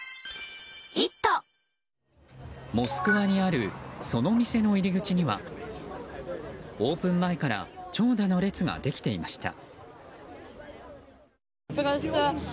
モスクワにあるその店の入り口にはオープン前から長蛇の列ができていました。